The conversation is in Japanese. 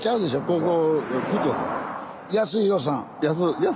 ここ。